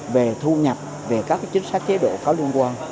về thu nhập về các chính sách chế độ có liên quan